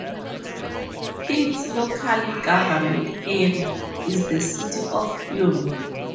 Its local government area is the City of Hume.